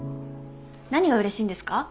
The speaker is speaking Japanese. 何がうれしいんですか？